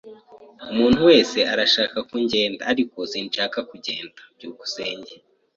Umuntu wese arashaka ko ngenda, ariko sinshaka kugenda. byukusenge